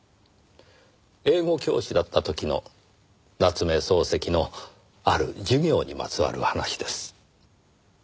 英語教師だった時の夏目漱石のある授業にまつわる話です。